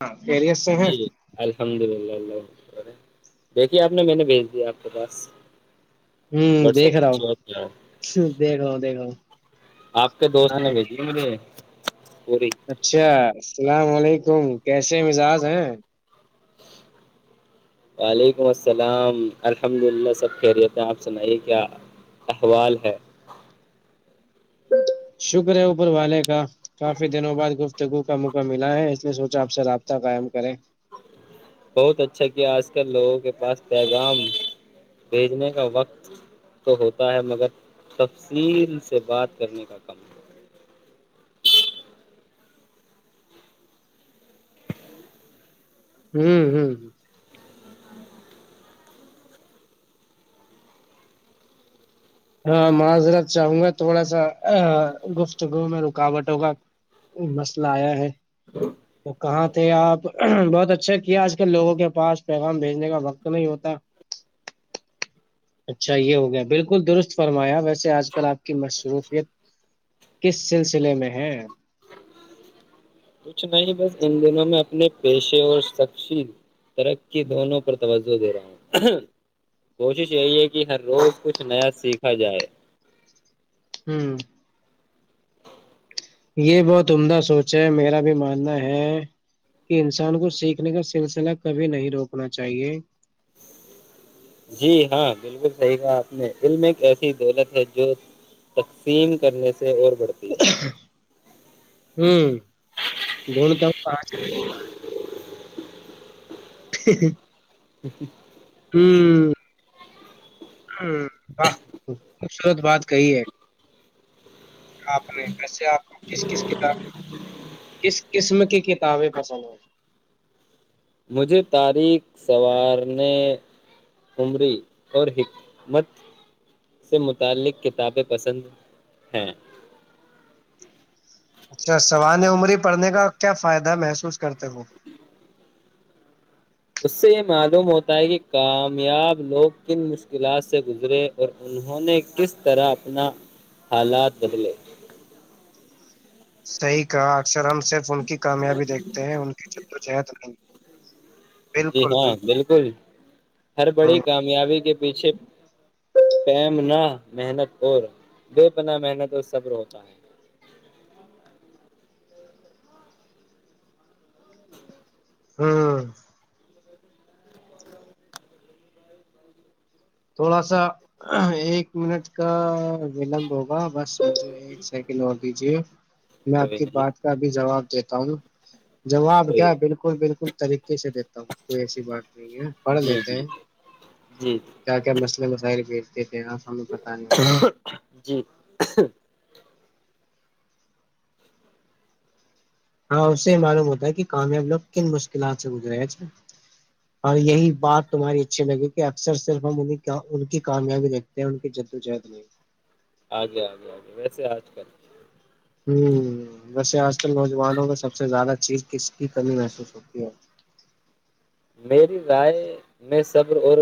ہاں [inaudible] ہے جی الحمد للہ دیکھیے آپ نے میں نے بھیج دیا آپ کے پاس ہوں واٹس دیکھ رہا کیا ہوں دیکھ رہا ہوں دیکھ رہا ہوں آپ کے دوست ہاں نے بھیجی مجھے پوری اچھا السلام علیکم کیسے مزاج ہیں وعلیکم السلام الحمد للہ سب خیریت ہے آپ سنائیے کیا احوال ہے شکر ہے اوپر والے کا کافی دنوں بعد گفتگو کا موقع ملا ہے اس لیے سوچا آپ سے رابطہ قائم کرے بہت اچھا کیا آج کل لوگوں کے پاس پیغام بھیجنے کا وقت تو ہوتا ہے مگر تفصیل سے بات کرنے کا کم ہوں ہوں ہ ہاں معذرت چاہوں گا تھوڑا سا گفتگو میں رکاوٹوں کا مسئلہ آیا ہے تو کہاں تھے آپ بہت اچھا کیا آج کل لوگوں کے پاس پیغام بھیجنے کا وقت نہیں ہوتا اچھا یہ ہو گیا بالکل درست فرمایا ویسے آج کل آپ کی مصروفیت کس سلسلے میں ہے کچھ نہیں بس ان دنوں میں اپنے پیشے اور سخشی ترقی دونوں پر توجہ دے رہا ہوں کوشش یہی ہے کہ ہر روز کچھ نیا سیکھا جائے ہوں یہ بہت عمدہ سوچ ہے میرا بھی ماننا ہے کہ انسان کو سیکھنے کا سلسلہ کبھی نہیں روکنا چاہیے جی ہاں بالکل صحیح کہا آپ نے علم ایک ایسی دولت ہے جو تقسیم کرنے سے اور بڑھتی ہے ہوں د د پچتی ت ہٹ [inaudible] [inaudible] ہوں ہاں واہ [unintelligible] خوبصورت بات کہی ہے آپ نے ایسے آپ کو کس کس کتاب کس قسم کی کتابیں پسند ہیں مجھے تاریخ سنوارنے عمری اور حکمت سے متعلق کتابیں پسند ہیں اچھا سوان عمری پڑھنے کا کیا فائدہ محسوس کرتے وہ [unintelligible] صحیح کا اکثر ہم [unintelligible] صرف ان کی کامیابی دیکھتے ہیں ان کی جدو چہت نہیں [unintelligible] جی ہاں بالکل ہر ہ بڑی کامیابی کے پیچھے م نہ [unintelligible] محنت اور بے پناہ محنت اور صبر ہوتا ہے [unintelligible] ہوں [unintelligible] تھوڑا سا ایک منٹ کا ولمب ہوگا بس ایک سیکنڈ اور دیجیے میں آپ کوئی کی نہیں بات کا بھی جواب [unintelligible] کہتا ہ [unintelligible] جواب کوئی کیا بالکل بالکل طریقے سے دیتا ہوں کوئی ایسی بات نہیں ہے پڑھ جی لیتے جی ہیں جی [unintelligible] کیا کیا مئے مسائل کے [unintelligible] کہا سو میں پتا نہیں ہوتا جی ہاں اس سے معلوم ہوتا ہے کہ کامیاب لوگ کن مشکلات سے گزرے ہیں اور یہی بات تمہاری اچھی لگی کہ اکثر صرف ہم ان ان کی کامیابی دیکھتے ہیں ان کی جد ووجہد نہیں آگے آگے آگے ویسے آج کل [unintelligible] ہ ویسے آج کل نوجوانوں میں سب سے زیادہ چیز کس کی کمی محسوس ہوتی ہے میری رائے میں صبر اور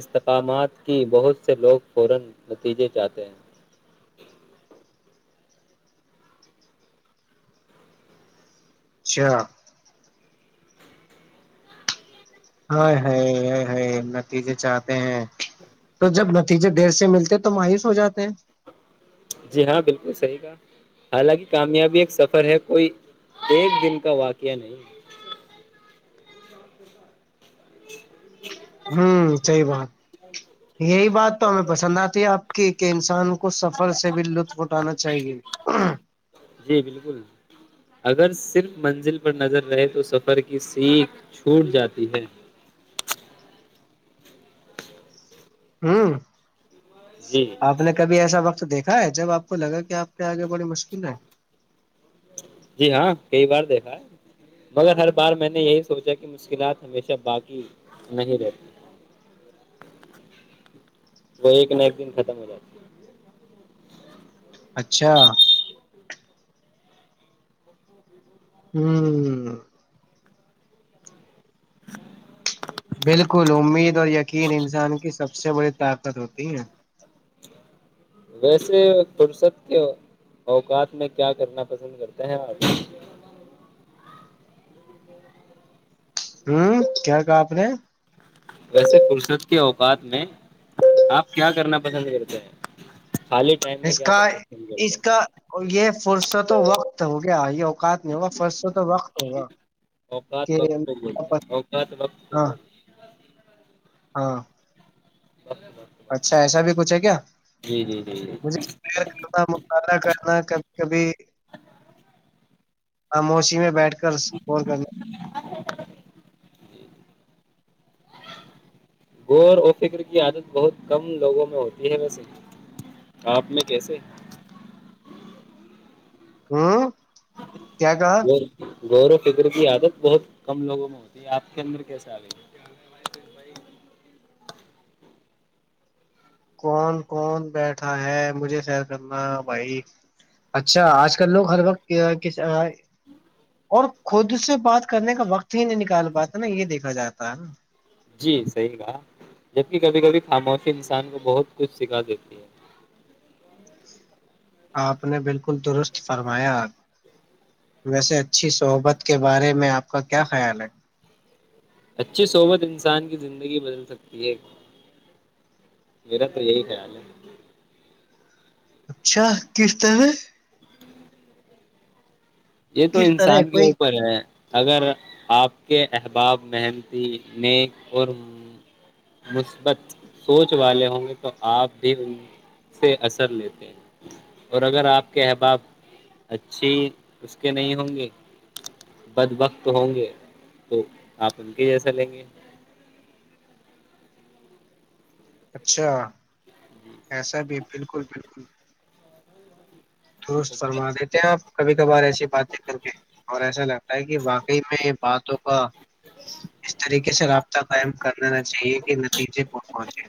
استحکامات کی بہت سے لوگ فورا نتیجے چاہتے ہیں اچھا [unintelligible] ہ ہ نتیجے چاہتے ہیں [unintelligible] تو جب ن [unintelligible] ٹھیک ہے دیر سے ملتے تو مایوس ہو جاتے ہیں جی ہاں بالکل صحیح کا حالانکہ کامیابی ایک سفر ہے کوئی ایک دن کا واقعہ نہیں ہوں صی بات یہی بات تو ہمیں پسند آتی ہے آپ کہ کہ انسان کو [unintelligible] کو سفر سے بھی لطف اٹھانا چاہیے جی بالکل اگر صرف منزل پر نظر رہے تو سفر کی سیکھ چھوٹ جاتی ہے ہوں [unintelligible] جی آپ نے کبھی ایسا وقت تو دیکھا ہے جب آپ کو لگا کہ آپ پہ آگے بڑی مشکل ہے [unintelligible] جی ہاں کئی بار دیکھا ہے مگر ہر بار میں نے یہی سوچا کہ مشکلات ہمیشہ باقی نہیں رہتی وہ ایک نہ ایک دن ختم ہو جاتی [unintelligible] اچھا [unintelligible] ہوں [unintelligible] بالکل امید اور یقین انسان کی سب سب سے بڑی طاقت ہوتی ہے [unintelligible] ویسے فرصت کے اوقات میں کیا کرنا پسند کرتے ہیں آ ہوں کیا کہا آپ نے ویسے فرصت کے اوقات میں آپ کیا کرنا پسند کرتے ہیں [unintelligible] ٹائم میں اس کیا کا کرنا پسند کرتے اس ہیں کا یہ فرصت وقت ہوگا ا ہی [unintelligible] اقات نہیں ہوگا فرسو تو وقت ہوگا اوقات کہ وقت کو بولتے ہیں اوقات وقت کو ہاں [unintelligible] بولتے ہیں ہاں وقت وقت۔ اچھا ایسا بھی کچھ ہے کیا جی جی جی جی مجھے کرنا مطالعہ کرنا کبھی کبھی ہ موسیی میں بیٹھ کر اسکور کرنے ج گور و فکر کی عادت بہت کم لوگوں میں ہوتی ہے ویسے آپ نے کیسے ہوں کیا کہا اور غور و فکر کی عادت بہت کم لوگوں میں ہوتی ہے آپ کے اندر کیسے آ گئی کون کون بیٹھا ہے مجھے سیر کرنا بھائی اچھا آج کل لوگ ہر وقت اور خود سے بات کرنے کا وقت ہی نہیں نکال پاتے نا یہ دیکھا جاتا ہے نا جی صحیح کہا جبک کبھی کبھی خاموشی انسان کو بہت کچھ سکھا دیتی ہے آپ نے بالکل ل درست فرمایا ویسے اچھی صحبت کے بارے میں آپ اس کا کیا خیال ہے اچھی صحبت انسان کی زندگی بدل سکتی ہے میرا تو یہی خیال ہے اچھا کس ط ہے یہ تو کس طرح انسان کے کوئی اوپر ہے اگر آپ کے احباب محنتی نیک اور مثبت سوچ والے ہوں گے تو آپ بھی ان سے اثر لیتے ہیں اور اگر آپ کے احباب اچھی اس کے نہیں ہوں گے بدبقت ہوں گے تو آپ ان کے جیسا لیں گے اچھا ایسا بھی بالکل بالکل رست فرما دیتے ہیں آپ کبھی کبھار ایسی بات ل کر کے اور ایسا ل کہ باقی میں یہ بات کا اس طریقے سے رابطہ قائم کرنا نہ چاہیے کہ نتیجے پر پہنچے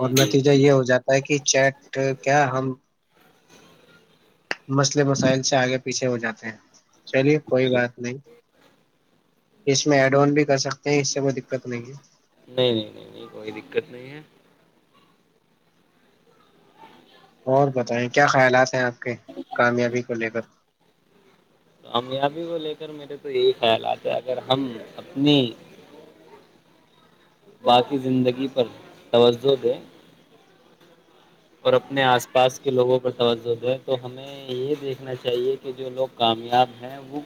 اور جی نتیجہ یہ ہو جاتا پ کی چیٹ کیا ہم مسئلے مسائل سے آگے پیچھے ہو جاتے ہیں چلیے کوئی جی بات نہیں اس میں ایڈ آن بھی کر سکتے ہیں اس سے کوئی دقت نہیں ہے نہیں نہیں نہیں نہیں کوئی دقت نہیں ہے اور بتائیں کیا خیالات ہیں آپ کے کامیابی کو لے کر کامیابی کو لے کر میرے تو یہی خیالات ہے اگر ہم اپنی باقی زندگی پر توجہ دیں اور اپنے آس پاس کے لوگوں پر توجہ دے تو ہمیں یہ دیکھنا چاہیے کہ جو لوگ کامیاب ہیں وہ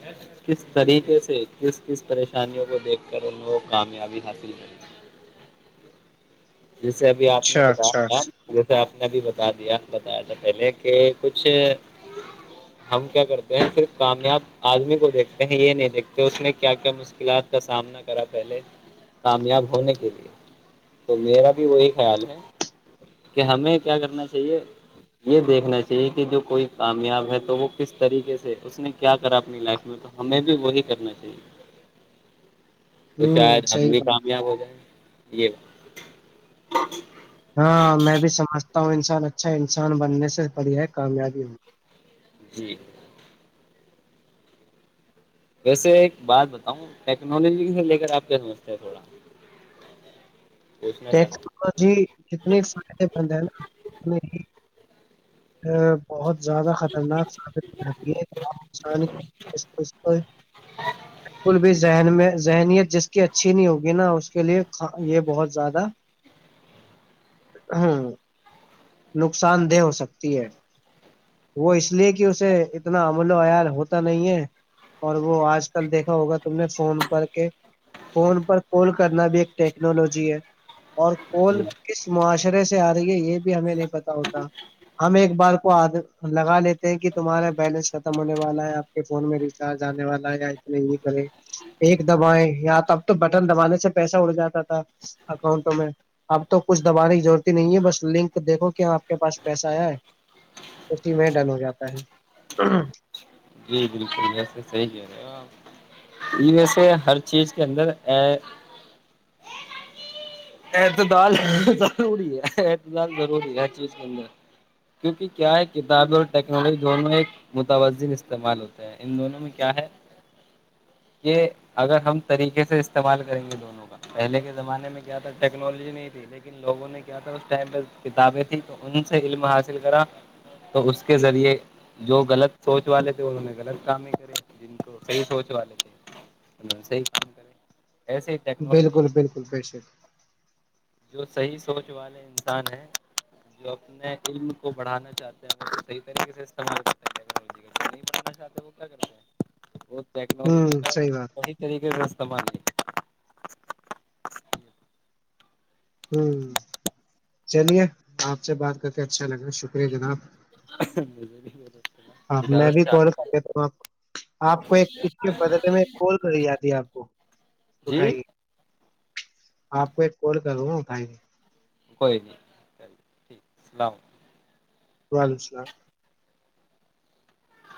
کس طریقے سے کس کس پریشانیوں کو دیکھ کر ان لو کو کامیابی حاصل کر جیسے ابھی آپ نے اچھا اچھا بتایا جیسے آپ نے ابھی ب بعد یہ بتایا تھا پہلے کہ کچھ ہم کیا کرتے ہیں پرف کامیاب آدمی کو دیکھتے ہیں یہ نہیں دیکھتے اس نے کیا کیا مشکلات کا سامنا کرا پہلے کامیاب ہونے کے لیے تو میرا بھی وہی خیال ہے کہ ہمیں کیا کرنا چاہیے یہ دیکھنا چاہیے کہ جو کوئی کامیاب ہے تو وہ کس طریقے سے اس نے کیا کرا اپنی لائف میں تو ہمیں بھی وہی کرنا چاہیے تو شاید ہوں ہم صحیح بھی بات کامیاب ہو جائیں ی [inaudible] ہ [inaudible] ہاں میں بھی سمج انسان اچھا انسان بننے سے پڑیا ہے کامیابی ہو جی ویسے ایک بات بتاؤں ٹیکنالوجی سے لے کر آپ کیا سمجھتے ہیں تھوڑا پوچھنا چاہتے ٹیکنالوجی جتنی فائدے مند ہے نا اتنے ہی ا بہت زیادہ خطرناک ثابت ہو جاتی ہے انسان بالکل بھی ذہن میں ذہنیت جس کی اچھی نہیں ہوگی نا اس کے لیے یہ بہت زیادہ ہ نقصان دہ ہو سکتا وہ اس لیے کہ اسے اتنا امل و عیال ہوتا نہیں ہے اور وہ آج کل دیکھا ہوگا تم نے فون پر کے فون پر کال کرنا بھی ایک ٹیکنالوجی ہے اور ہیں کول جی کس معاشرے سے آ رہی ہے یہ بھی ہمیں نہیں پتا ہوتا ہم ایک بار کو لگا لیتے ہیں کہ تمہارا بیلنس ختم ہونے والا ہے آپ کے فون میں ریچارج آنے والا ہے یا اتنے یہ کریں ایک دبائائےیں یا ت اب تو بٹن دبانے سے پیسہ اڑ جاتا تھا اکاؤنٹوں میں اب تو کچھ دبانے کی ضرورتتی نہیں ہے بس لنک دیکھو کیا آپ کے پاس پیسہ آیا ہے اس ہی میں ڈل ہو جاتا ہے جی بالکل وسے صحیح ہے ویسے ہر چیز کے اندر اعتدال ضروری ہے اعتدال ضروری ہے ہر چیز کے اندر کیونکہ کیا ہے کتابیں اور ٹیکنالوجی دونوں ایک متون استعمال ہوتے ہیں ان دونوں میں کیا ہے کہ اگر ہم طریقے سے استعمال کریں گے دونوں کا پہلے کے زمانے میں کیا تھا ٹیکنالوجی نہیں تھی لیکن لوگوں نے کیا تھا اس ٹائم پہ کتابیں تیں تو ان سے علم حاصل کرا تو اس کے ذریعے جو غلط سوچ س والے تھے انہوں نے غلط کام ہی کرے جن کو صحیح سوچ والے تھے انہوں صحیح کام کرے ایسے ہی ٹیکنالوجی بالکل بالکل بے شک جو صحیح سوچ والے انسان ہیں جو اپنے علم کو بڑھانا چاہتے ہیں کو صحیح طریقے سے استعمال کرتےتے ہیں نہیں بنا چاہتا وہ کیا کرتا ہے وہ ٹیکنالوجی ہوں کا بات صحیح طریقے کا استعمال ہے ہ چلیے آپ سے بات کر کے اچھا لگا شکریہ جناب مجھے نہیں ہاں میں اجازت بھی کال چاہتے کر ہیں لیتا ہوں آپ کو آپ کو ایک چز کے بدلے میں کال کری جاتی ہے آپ کو جی اٹھائیے آپ کو ایک کال کروں نا اھائی کوئی نہیں چل ٹھیک سسلام علیکم وعلیکم السلام